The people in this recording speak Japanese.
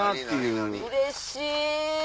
うれしい。